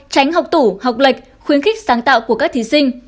tránh học tủ học lệch khuyến khích sáng tạo của các thí sinh